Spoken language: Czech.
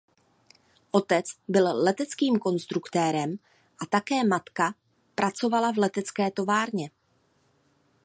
Otec byl leteckým konstruktérem a také matka pracovala v letecké továrně.